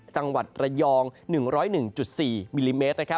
จังหวัดระยอง๑๐๑๔มิลลิเมตร